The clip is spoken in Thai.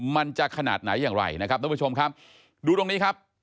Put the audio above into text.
มันจะขนาดไหนอย่างไรนะครับทุกผู้ชมครับดูตรงนี้ครับ